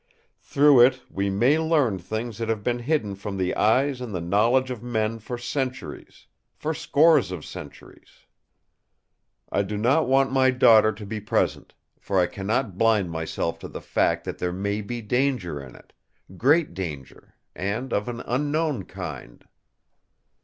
Through it we may learn things that have been hidden from the eyes and the knowledge of men for centuries; for scores of centuries. I do not want my daughter to be present; for I cannot blind myself to the fact that there may be danger in it—great danger, and of an unknown kind.